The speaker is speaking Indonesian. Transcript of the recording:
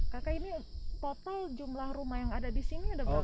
kakak ini total jumlah rumah yang ada di sini ada berapa